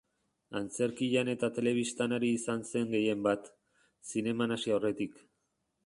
Antzerkian eta telebistan ari izan zen gehienbat, zineman hasi aurretik.